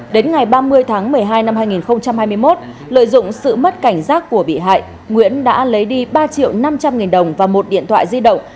đến ngày ba mươi tháng một mươi hai năm hai nghìn hai mươi một lợi dụng sự mất cảnh giác của bị hại nguyễn đã lấy đi ba triệu năm trăm linh nghìn đồng và một điện thoại di động